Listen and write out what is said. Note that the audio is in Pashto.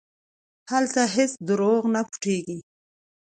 هلته هېڅ دروغ نه پټېږي.